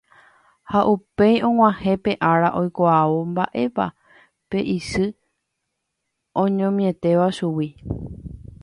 ha upéi og̃uahẽ pe ára oikuaávo mba'épa pe isy oñomietéva chugui.